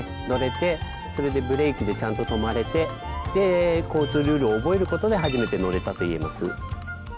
乗れてそれでブレーキでちゃんと止まれてで交通ルールを覚えることで初めて乗れたと言えます。